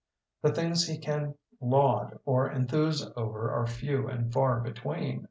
The things he can laud or enthuse over are few and far between.